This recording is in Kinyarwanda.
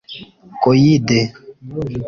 Koide